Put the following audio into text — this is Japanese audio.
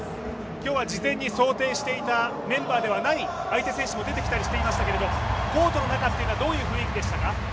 今日は事前に想定していたメンバーではない相手選手も出てきていましたけれどもコートの中、どういう雰囲気でしたか？